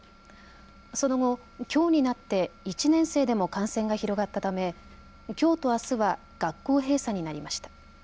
その後、きょうになって１年生でも感染が広がったためきょうとあすは学校閉鎖になりました。